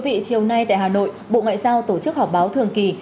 vậy chiều nay tại hà nội bộ ngoại giao tổ chức họp báo thường kỳ